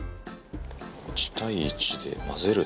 １対１で混ぜるだけ。